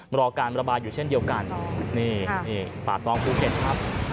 รอการระบายอยู่เช่นเดียวกันนี่นี่ป่าตองภูเก็ตครับ